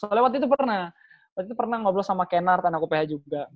soalnya waktu itu pernah waktu itu pernah ngobrol sama ken hart anak upa juga